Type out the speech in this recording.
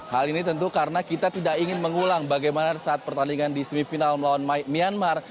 hal ini tentu karena kita tidak ingin mengulang bagaimana saat pertandingan di semifinal melawan myanmar